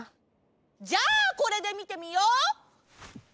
じゃあこれでみてみよう。